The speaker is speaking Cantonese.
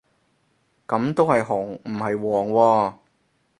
噉都係紅唔係黃喎